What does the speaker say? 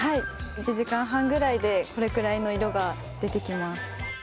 １時間半ぐらいでこれくらいの色が出てきます。